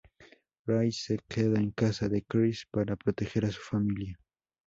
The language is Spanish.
Ray se queda en casa de Chris para proteger a su familia.